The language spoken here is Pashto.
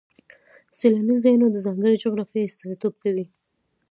سیلاني ځایونه د ځانګړې جغرافیې استازیتوب کوي.